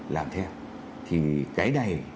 làm theo thì cái này